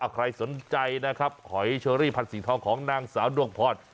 ใครสนใจนะครับหอยเชอรี่พันสีทองของนางสาวดวงพร